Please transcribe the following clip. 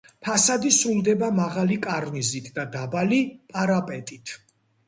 ფასადი სრულდება მაღალი კარნიზით და დაბალი პარაპეტით.